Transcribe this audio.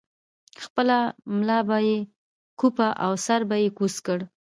خپله ملا به یې کوپه او سر به یې کوز کړ.